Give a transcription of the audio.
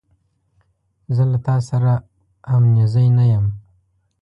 زه له تا سره همنیزی نه یم.